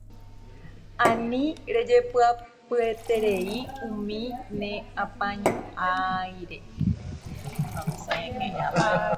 Ani rejepy'apyeterei umi ne apañuáire